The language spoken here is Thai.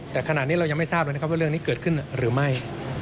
แต่ขณะนี้เรายังไม่ทราบเลยนะครับว่าเรื่องนี้เกิดขึ้นหรือไม่